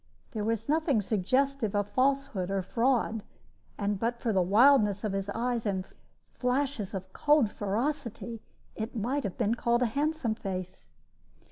There was nothing suggestive of falsehood or fraud, and but for the wildness of the eyes and flashes of cold ferocity, it might have been called a handsome face.